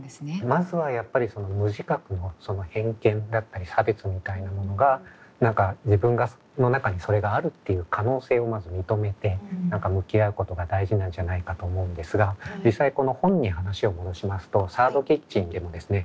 まずはやっぱりその無自覚の偏見だったり差別みたいなものが何か自分の中にそれがあるっていう可能性をまず認めて何か向き合うことが大事なんじゃないかと思うんですが実際この本に話を戻しますと「サード・キッチン」でもですね